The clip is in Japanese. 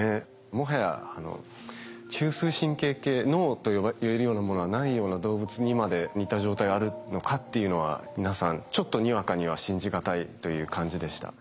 もはや中枢神経系脳と言えるようなものはないような動物にまで似た状態があるのかっていうのは皆さんちょっとにわかには信じ難いという感じでした。